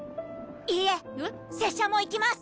いいえ拙者も行きます。